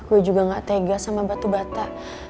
gue juga gak tega sama batu bata